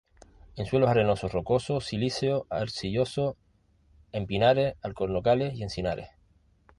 En suelos arenosos, rocosos, silíceos, arcillosos, en pinares, alcornocales y encinares.